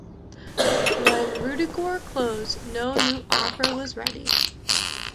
When "Ruddigore" closed, no new opera was ready.